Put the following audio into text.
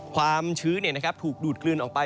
ความชื้นถูกดูดกลืนออกไป